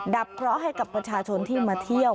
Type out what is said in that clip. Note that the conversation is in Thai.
ดับเคราะห์ให้กับประชาชนที่มาเที่ยว